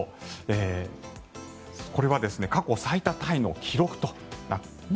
これは過去最多タイの記録となっています。